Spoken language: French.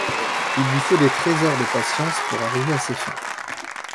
Il lui faut des trésors de patience pour arriver à ses fins.